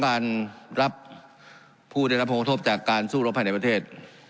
การรับผู้ได้รับผลกระทบจากการสู้รบภายในประเทศ